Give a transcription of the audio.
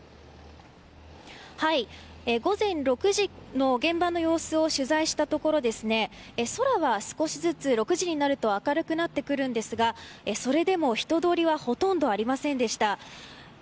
午前６時の現場の様子を取材したところですが空は少しずつ６時になると明るくなってきますがそれでも人通りはほとんどありませんでした。